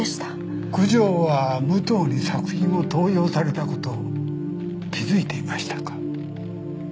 九条は武藤に作品を盗用されたことを気付いていましたか？